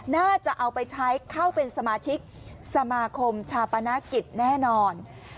น่าจะเอาไปใช้เข้าเป็นสมาชิกสมาคมชาปนกิจแน่นอน